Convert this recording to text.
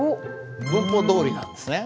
文法どおりなんですね。